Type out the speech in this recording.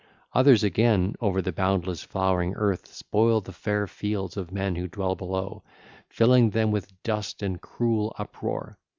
Others again over the boundless, flowering earth spoil the fair fields of men who dwell below, filling them with dust and cruel uproar.